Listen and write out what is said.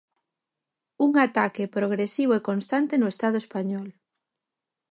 Un ataque progresivo e constante no Estado español.